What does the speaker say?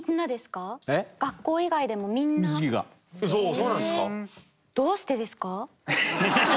そうなんですか。